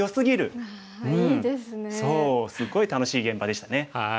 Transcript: そうすごい楽しい現場でしたね。